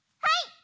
はい！